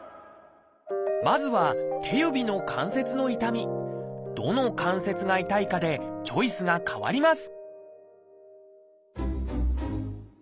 まずはどの関節が痛いかでチョイスが変わります